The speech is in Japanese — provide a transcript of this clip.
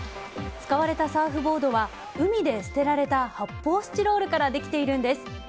使われたサーフボードは海で捨てられた発泡スチロールからできているんです。